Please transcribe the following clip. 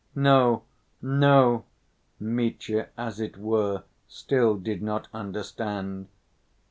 "No, no," Mitya, as it were, still did not understand.